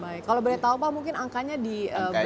baik kalau boleh tahu pak mungkin angkanya di berapa